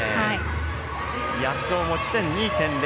安尾、持ち点２．０。